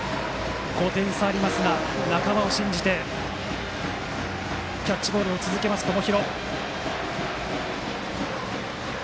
５点差ありますが仲間を信じてキャッチボールを続ける友廣。